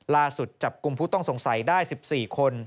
ล่าสุดจับกลุ่มผู้ต้องสงสัยได้๑๔คน